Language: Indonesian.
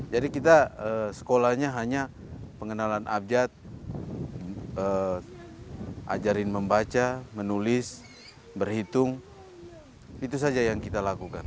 jadi kita sekolahnya hanya pengenalan abjad ajarin membaca menulis berhitung itu saja yang kita lakukan